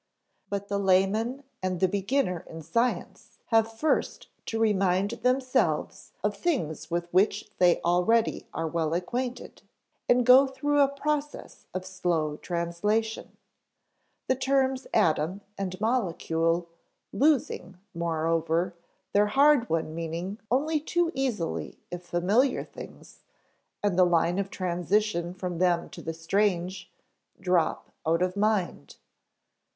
But the layman and the beginner in science have first to remind themselves of things with which they already are well acquainted, and go through a process of slow translation; the terms atom and molecule losing, moreover, their hard won meaning only too easily if familiar things, and the line of transition from them to the strange, drop out of mind.